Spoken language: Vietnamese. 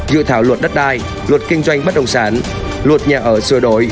dự thảo luật đất đai luật kinh doanh bất đồng sản luật nhà ở sửa đổi